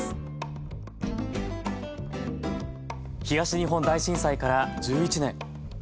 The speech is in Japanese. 東日本大震災から１１年。